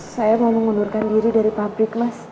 saya mau mengundurkan diri dari pabrik mas